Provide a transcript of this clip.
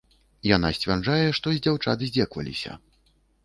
Яна сцвярджае, што з дзяўчат здзекаваліся.